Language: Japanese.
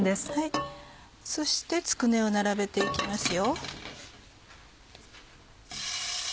そしてつくねを並べて行きます。